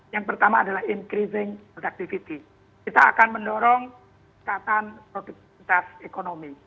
yang pertama adalah increasing productivity kita akan mendorong kekatan produktivitas ekonomi